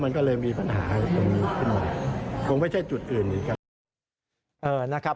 มันก็เลยมีปัญหาขึ้นมาคงไม่ใช่จุดอื่นอย่างนั้น